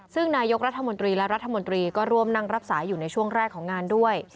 ซึ่งนายกรัฐมนตรีและรัฐมนตรีก็ร่วมนั่งรักษาอยู่ในช่วงแรกของงานด้วย